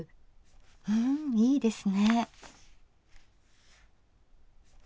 うんいいですね。